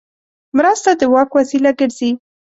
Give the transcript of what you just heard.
مرسته د واک وسیله ګرځي.